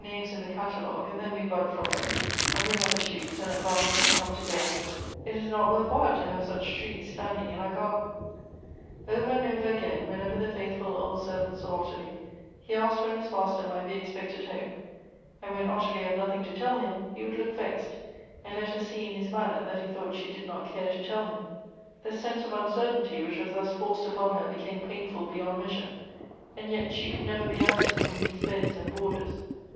141 names in the catalogue, and then wo bud from them, and bring up the shoots, and, at last, when they come to bear, it is not worth while to have such trees standing in our garden." 'Over and over again, whenever the faithful old servant saw Ottilie, he asked when his master might be expecteX hqmei and when Ottilie had nothing to tell him, he would look vexed, and let her see in his manner tliat he thought she did not care to tell him : the sense of un certainty which was thus forced upon her became painful beyond measure, and yet she could never be absent from these beds and borders.